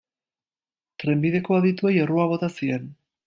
Trenbideko adituei errua bota zien.